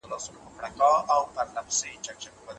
علم د عقيدې تابع و.